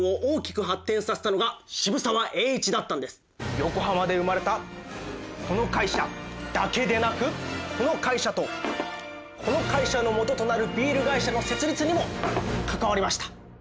実は横浜で生まれたこの会社だけでなくこの会社とこの会社の元となるビール会社の設立にも関わりました。